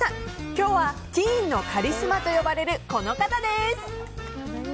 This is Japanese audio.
今日はティーンのカリスマと呼ばれるこの方です。